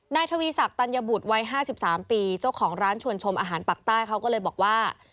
ทวีศักัญบุตรวัย๕๓ปีเจ้าของร้านชวนชมอาหารปากใต้เขาก็เลยบอกว่า